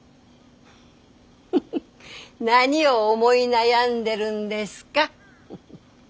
フフ何を思い悩んでるんですか？